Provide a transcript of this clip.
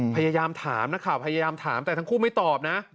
พยายามถามนักข่าวพยายามถามแต่ทั้งคู่ไม่ตอบนะ